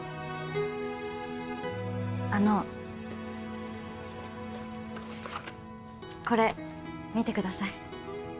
あのこれ見てください